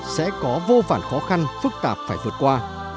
sẽ có vô vản khó khăn phức tạp phải vượt qua